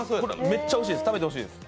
めっちゃおいしいです、食べてほしいです。